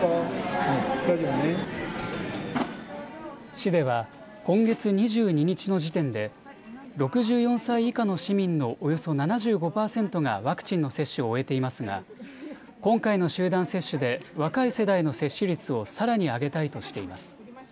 市では今月２２日の時点で６４歳以下の市民のおよそ７５％がワクチンの接種を終えていますが今回の集団接種で若い世代の接種率をさらに上げたいとしています。